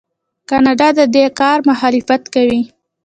کاناډا د دې کار مخالفت کوي.